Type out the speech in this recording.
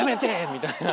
みたいな。